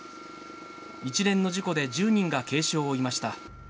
一連の事故で１０人が軽傷を負いました。